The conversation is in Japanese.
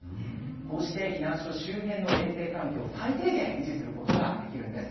こうして避難所周辺の衛生環境を最低限維持することができるんです。